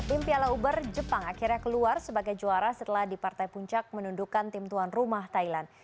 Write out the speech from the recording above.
tim piala uber jepang akhirnya keluar sebagai juara setelah di partai puncak menundukkan tim tuan rumah thailand